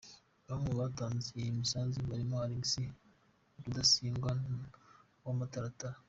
Bamwe mu batanze iyi misanzu barimo Alexis Rudasingwa w’amataratara